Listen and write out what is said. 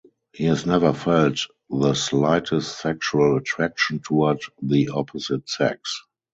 He has never felt the slightest sexual attraction toward the opposite sex.